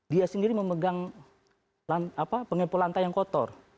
dia sendiri memegang apa mengepel lantai yang kotor